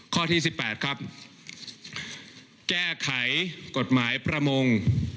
ข้อที่๑๘ครับแก้ไขกฎหมายประมง